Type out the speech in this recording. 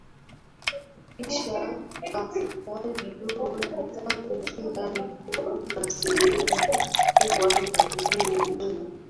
kisha tafuna vidole vitatu vya miguu na sehemu kubwa ya mguu huo